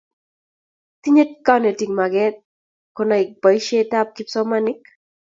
tinye konetik maket kunai boise ab kipsomaninik